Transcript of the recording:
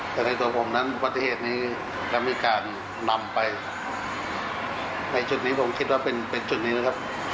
เพราะว่าคนไหนคนพุ่งเข้าไปในเรื่องของเรื่องไทย